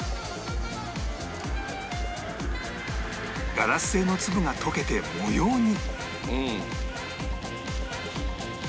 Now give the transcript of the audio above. ガラス製の粒が溶けて模様に